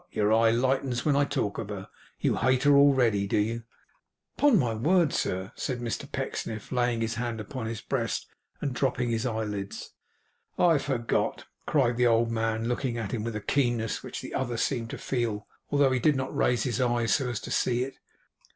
your eye lightens when I talk of her! You hate her already, do you?' 'Upon my word, sir!' said Mr Pecksniff, laying his hand upon his breast, and dropping his eyelids. 'I forgot,' cried the old man, looking at him with a keenness which the other seemed to feel, although he did not raise his eyes so as to see it.